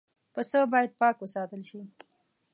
پسه باید پاک وساتل شي.